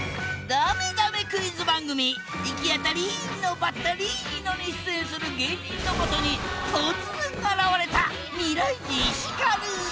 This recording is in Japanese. ダメダメクイズ番組「イキアタリーノバッタリーノ」に出演する芸人のもとに突然現れた未来人ヒカル。